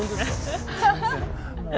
もう。